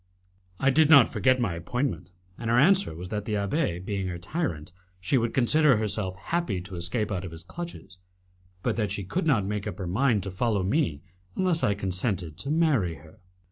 I did not forget my appointment, and her answer was that the abbé being her tyrant, she would consider herself happy to escape out of his clutches, but that she could not make up her mind to follow me unless I consented to marry her.